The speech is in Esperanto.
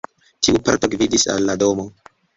Tiu parto gvidis al la domo.